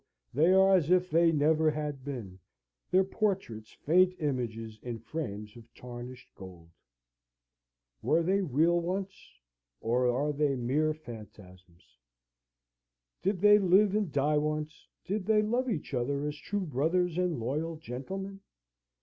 they are as if they never had been; their portraits faint images in frames of tarnished gold. Were they real once, or are they mere phantasms? Did they live and die once? Did they love each other as true brothers, and loyal gentlemen?